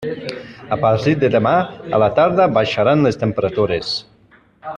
A partir de demà a la tarda baixaran les temperatures.